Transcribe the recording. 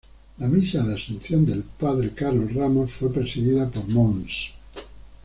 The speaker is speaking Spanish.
La Misa de asunción del padre Carlos Ramos fue presidida por Mons.